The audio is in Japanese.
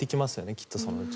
きっとそのうち。